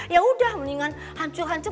ya udah mendingan hancur hancur